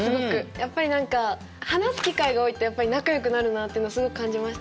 やっぱり何か話す機会が多いとやっぱり仲よくなるなっていうのをすごく感じましたし。